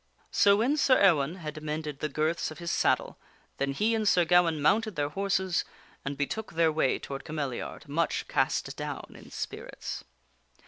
So when Sir Ewaine had mended the girths of his saddle then he and Sir Gawaine mounted their horses and betook their way toward Cameliard much cast down in spirits.